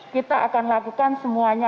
kita akan lakukan semuanya